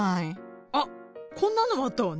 あっこんなのもあったわね。